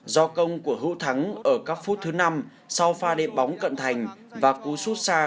xin chào và hẹn gặp lại